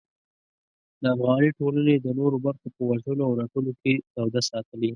د افغاني ټولنې د نورو برخو په وژلو او رټلو کې توده ساتلې.